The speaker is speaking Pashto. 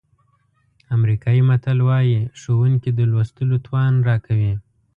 امریکایي متل وایي ښوونکي د لوستلو توان راکوي.